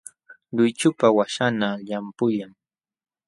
Luychupa waśhanqa llampullam.